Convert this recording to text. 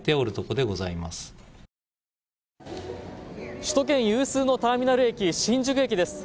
首都圏有数のターミナル駅新宿駅です。